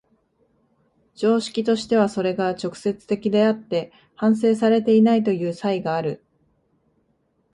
常識としてはそれが直接的であって反省されていないという差異がある。